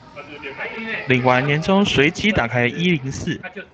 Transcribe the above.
領完年終隨即打開一零四